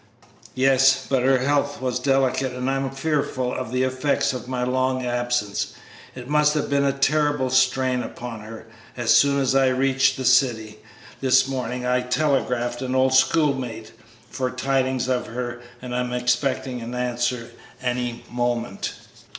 "Yes, but her health was delicate, and I am fearful of the effects of my long absence; it must have been a terrible strain upon her. As soon as I reached the city this morning I telegraphed an old schoolmate for tidings of her, and I am expecting an answer any moment."